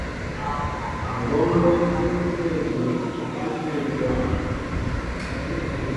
Ŋgɔɔŋgɔn ó kǝǝ agǝǝp atǝǝ ebóá.